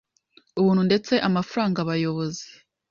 Ubuntu ndetse amafaranga abayobozi